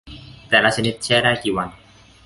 แต่ละชนิดแช่ได้กี่วัน